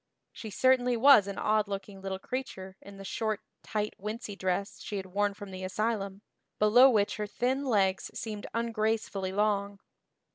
She certainly was an odd looking little creature in the short tight wincey dress she had worn from the asylum, below which her thin legs seemed ungracefully long.